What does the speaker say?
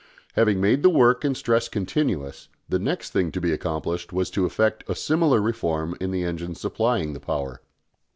Having made the work and stress continuous, the next thing to be accomplished was to effect a similar reform in the engines supplying the power.